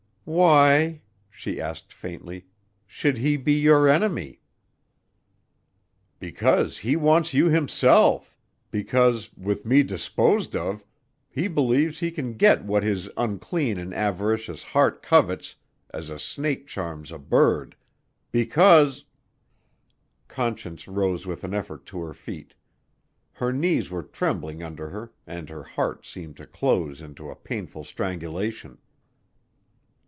"Why," she asked faintly, "should he be your enemy?" "Because he wants you himself, because, with me disposed of, he believes he can get what his unclean and avaricious heart covets as a snake charms a bird, because " Conscience rose with an effort to her feet. Her knees were trembling under her and her heart seemed to close into a painful strangulation.